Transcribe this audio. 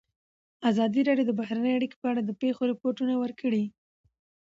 ازادي راډیو د بهرنۍ اړیکې په اړه د پېښو رپوټونه ورکړي.